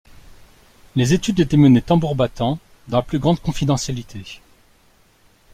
Les études étaient menées tambour battant dans la plus grande confidentialité.